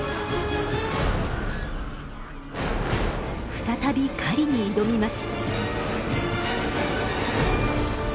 再び狩りに挑みます。